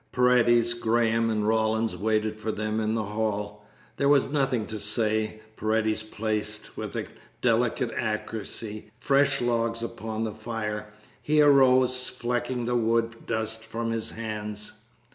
Paredes, Graham, and Rawlins waited for them in the hall. There was nothing to say. Paredes placed with a delicate accuracy fresh logs upon the fire. He arose, flecking the wood dust from his hands.